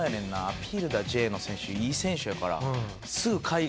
「アピールだＪ」の選手いい選手やからすぐ。